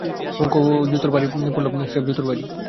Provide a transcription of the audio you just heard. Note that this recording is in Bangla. মুখে জুতোর বাড়ি পড়ল, স্রেফ জুতোর বাড়ি।